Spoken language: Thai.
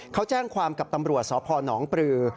เขาแจ้งความกับตำรวจสพนปรือ